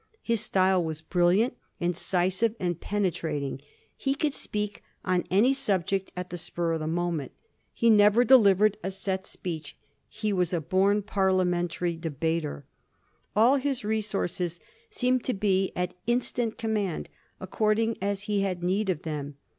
His style was brilliant, incisive, and pene trating. He could speak on any subject at the spur of the moment. He never delivered a set speech. He was a bom parliamentary debater. All his re sources seemed to be at instant command, according as he had need of them.